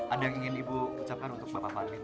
ada yang ingin ibu ucapkan untuk bapak farmit